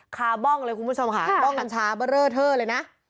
คาร์บ้องเลยคุณผู้ชมค่ะบ้องกัญชาเบอร์เลอร์เทอร์เลยนะ